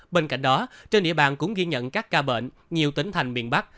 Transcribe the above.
bên cạnh đó trên địa bàn cũng ghi nhận các ca bệnh nhiều tỉnh thành miền bắc